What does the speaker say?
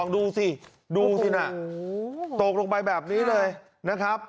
ดูสิดูสินะตกลงไปแบบนี้เลยนะครับ